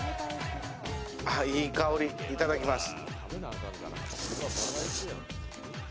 ああ、いい香り、いただきます。